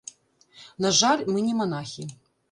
На жаль, мы не манахі.